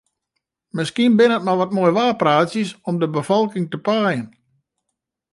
Miskien binne it mar wat moaiwaarpraatsjes om de befolking te paaien.